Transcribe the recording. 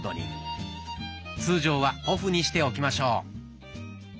通常はオフにしておきましょう。